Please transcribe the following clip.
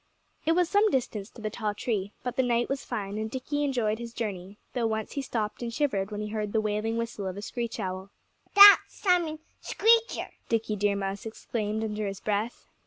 It was some distance to the tall tree. But the night was fine, and Dickie enjoyed his journey, though once he stopped and shivered when he heard the wailing whistle of a screech owl. "That's Simon Screecher!" Dickie Deer Mouse exclaimed under his breath.